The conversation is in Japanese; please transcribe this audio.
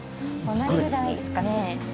同じくらいですかね。